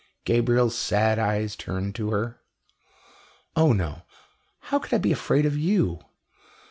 Gabriel's sad eyes turned to her. "Oh no! How could I be afraid of you?